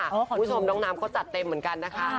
คุณผู้ชมน้องน้ำก็จัดเต็มเหมือนกันนะคะ